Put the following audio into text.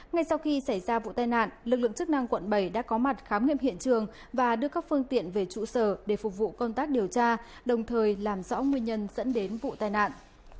ngay sau khi xảy ra vụ tai nạn lực lượng chức năng quận bảy đã có mặt khám nghiệm hiện trường và đưa các phương tiện về trụ sở để phục vụ công tác điều tra đồng thời làm rõ nguyên nhân dẫn đến vụ tai nạn